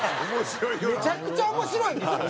めちゃくちゃ面白いんですよ。